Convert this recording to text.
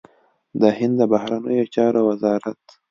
د هند د بهرنيو چارو وزارت